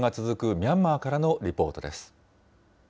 ミャンマーからのリポートです。